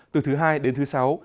từ thứ hai đến thứ sáu